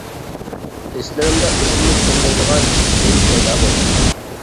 ھېسلىرىمدا ئۆزۈممۇ چۈشەنمەيدىغان، جىددىيلىك پەيدا بولدى.